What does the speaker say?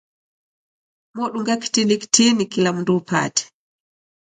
modunga kitini kitini kila mundu upate.